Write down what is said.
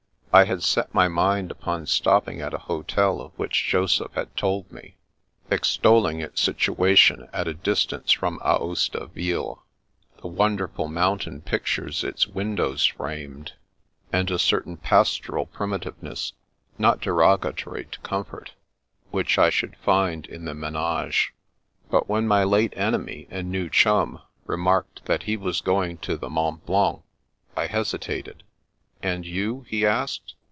I had set my mind upon stopping at a hotel of which Joseph had told me, extolling its situation at a distance from Aosta vUle, the won derful mountain pictures its windows framed, and 142 The Princess Passes a certain pastoral primitiveness, not derogatory to comfort, which I should find in the menage. But when my late enemy and new chum remarked that he was going to the Mont Blanc, I hesitated. " And you ?" he asked.